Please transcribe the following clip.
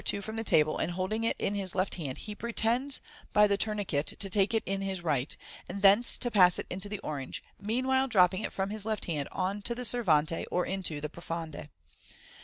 2 from the table, and holding it in his left hand, he pretends by the tourniquet to take it in his right, and thence to pass it into the orange, meanwhile dropping it from his left hand on to the servante, or into the profonde.